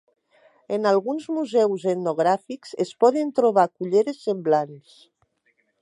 En alguns museus etnogràfics es poden trobar culleres semblants.